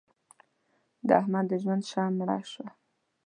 د احمد د ژوند شمع مړه شوه.